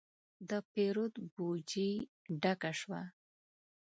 د پیرود بوجي ډکه شوه.